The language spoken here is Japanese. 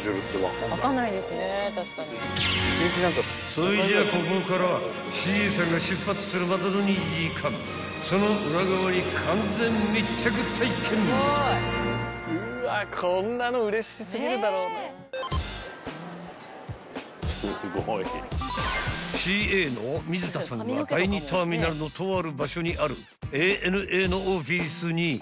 ［そいじゃあここからＣＡさんが出発するまでの２時間その裏側に完全密着体験］［ＣＡの水田さんは第２ターミナルのとある場所にあるＡＮＡのオフィスに］